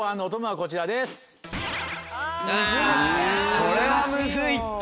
これはむずいって！